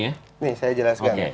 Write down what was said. ini saya jelaskan